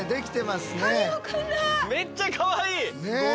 めっちゃかわいい！